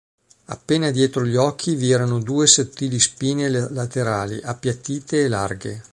Appena dietro gli occhi vi erano due sottili spine laterali, appiattite e larghe.